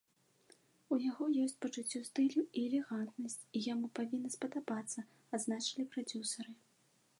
У яго ёсць пачуццё стылю і элегантнасць, і яму павінна спадабацца, адзначылі прадзюсары.